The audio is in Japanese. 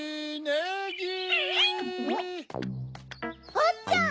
おっちゃん！